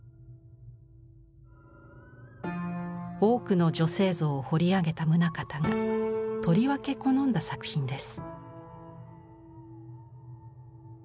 多くの女性像を彫り上げた棟方がとりわけ好んだ作品です。